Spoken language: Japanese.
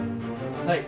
はい。